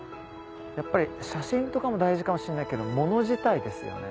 やっぱり写真とかも大事かもしんないけど物自体ですよね。